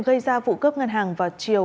gây ra vụ cướp ngân hàng vào chiều